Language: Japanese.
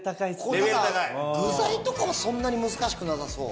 具材とかはそんなに難しくなさそう。